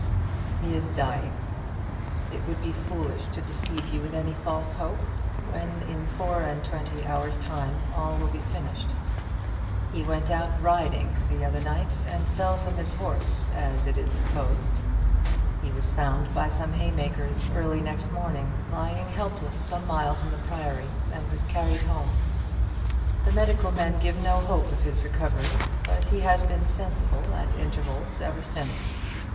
"He is dying. It would be foolish to deceive you with any false hope, when in four and twenty hours' time all will be finished. He went out riding the other night, and fell from his horse, as it is supposed. He was found by some haymakers early the next morning, lying helpless, some miles from the Priory, and was carried home. The medical men give no hope of his recovery; but he has been sensible at intervals ever since.